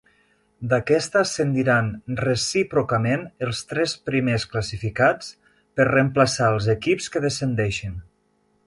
D'aquesta ascendiran recíprocament els tres primers classificats, per reemplaçar els equips que descendeixin.